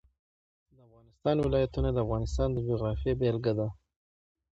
د افغانستان ولايتونه د افغانستان د جغرافیې بېلګه ده.